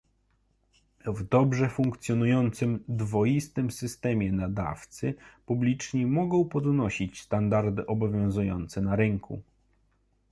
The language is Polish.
W dobrze funkcjonującym dwoistym systemie nadawcy publiczni mogą podnosić standardy obowiązujące na rynku